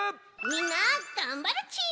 みんながんばるち！